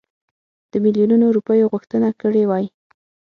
د میلیونونو روپیو غوښتنه کړې وای.